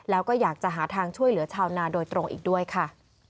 แล้วก็อยากจะหาทางช่วยเหลือชาวนาโดยตรงอีกด้วยค่ะ